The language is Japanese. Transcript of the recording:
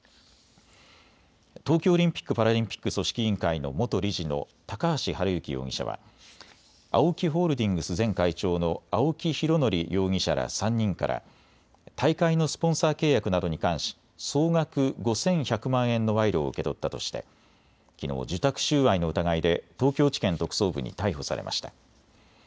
東京オリンピック・パラリンピック組織委員会の元理事の高橋治之容疑者はＡＯＫＩホールディングス前会長の青木拡憲容疑者ら３人から大会のスポンサー契約などに関し総額５１００万円の賄賂を受け取ったとしてきのう受託収賄の疑いで東京地検特捜部に逮捕されました。